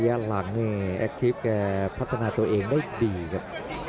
พยายามจะไถ่หน้านี่ครับการต้องเตือนเลยครับ